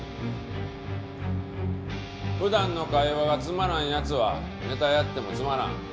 普段の会話がつまらん奴はネタやってもつまらん。